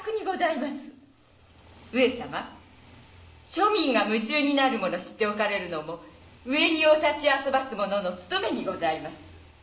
庶民が夢中になるもの知っておかれるのも上にお立ちあそばす者のつとめにございます。